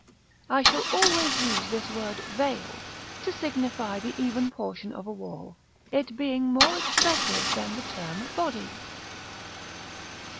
I shall always use this word "Veil" to signify the even portion of a wall, it being more expressive than the term Body.